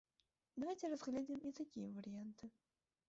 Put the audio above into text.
Давайце разгледзім і такія варыянты.